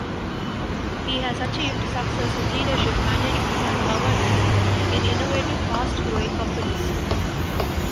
He has achieved success in leadership, management and governance in innovative fast growing companies.